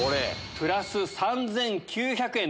プラス３９００円。